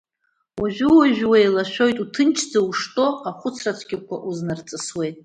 Уажәы-уажәы уеилашәоит, уҭынчӡа уштәоу ахәыцра цәгьақәа узнарҵасуеит.